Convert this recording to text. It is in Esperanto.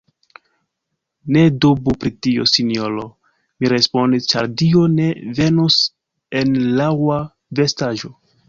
Ne dubu pri tio, sinjoro, mi respondis, Ĉar Dio ne venus en laŭa vestaĵo.